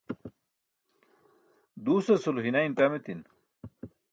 duusasulo hinain ṭam etin